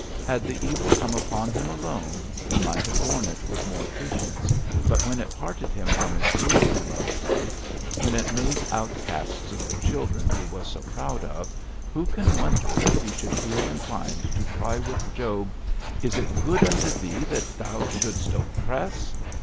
Had the evil come upon him alone, he might have borne it with more patience, but when it parted him from his dearly loved wife, when it made outcasts of the children he was so proud of, who can wonder that he should feel inclined to cry with Job, 'Is it good unto Thee that Thou should'st oppress!'